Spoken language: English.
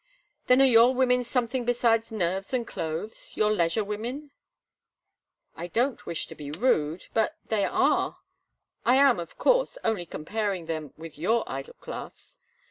"Then are your women something besides nerves and clothes—your leisure women?" "I don't wish to be rude, but they are. I am, of course, only comparing them with your idle class.